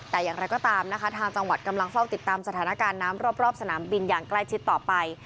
แต่อย่างไรก็ตามนะคะทางจังหวัดกำลังเฝ้าติดตามสถานการณ์น้ำรอบสนามบินอย่างใกล้ชิดต่อไป